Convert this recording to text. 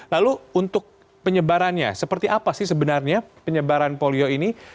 lalu untuk penyebarannya seperti apa sih sebenarnya penyebaran polio ini